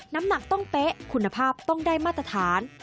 น้ำหนักต้องเป๊ะคุณภาพต้องได้มาตรฐาน